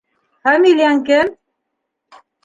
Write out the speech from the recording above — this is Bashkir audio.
— Фамилияң кем?